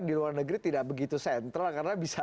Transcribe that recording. di luar negeri tidak begitu sentra